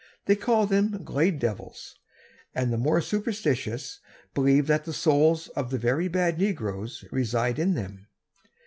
They call them 'Glade Devils,' and the more superstitious believe that the souls of the very bad negroes reside in them.